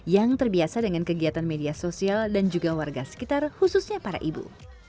yang terbiasa dengan kegiatan media sosial dan juga warga sekitar khususnya para ibu